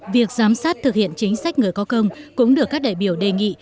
việc giám sát thực hiện chính sách người có công cũng được các đại biểu đề nghị